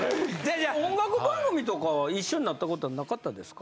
音楽番組とかは一緒になったことはなかったですか？